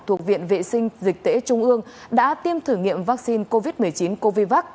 thuộc viện vệ sinh dịch tễ trung ương đã tiêm thử nghiệm vaccine covid một mươi chín covid